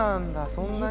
そんなに。